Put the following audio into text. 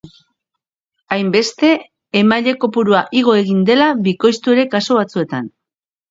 Hainbeste, emaile kopurua igo egon dela, bikoiztu ere kasu batzuetan.